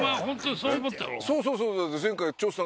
そうそうそうそう。